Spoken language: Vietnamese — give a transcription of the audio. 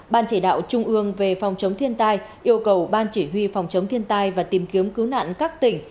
ban chỉ đạo trung ương về phòng chống thiên tai yêu cầu ban chỉ huy phòng chống thiên tai và tìm kiếm cứu nạn các tỉnh